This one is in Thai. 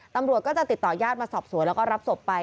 ตำรวจก็จะติดต่อยาดมาสอบสวนแล้วก็รับศพไป